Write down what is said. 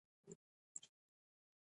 ازادي راډیو د عدالت کیسې وړاندې کړي.